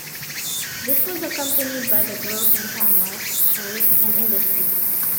This was accompanied by the growth in town life, trade, and industry.